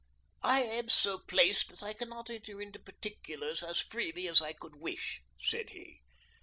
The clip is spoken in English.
"I am so placed that I cannot enter into particulars as freely as I could wish," said he.